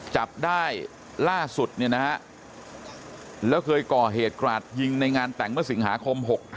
จับได้ล่าสุดเนี่ยนะฮะแล้วเคยก่อเหตุกราดยิงในงานแต่งเมื่อสิงหาคม๖๕